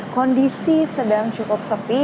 kondisi sedang cukup sepi